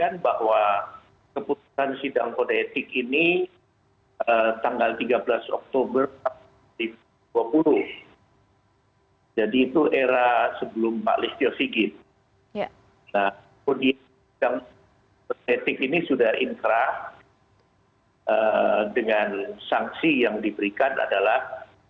nah kemudian yang beretik ini sudah inkrah dengan sanksi yang diberikan adalah